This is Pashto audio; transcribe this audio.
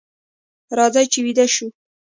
راځئ چې ویده شو.